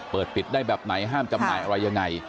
เปิดปิดได้แบบไหนห้ามจำหน่ายอะไรยังไง